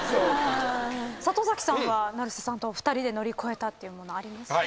里崎さんは成瀬さんとお二人で乗り越えたっていうものあります？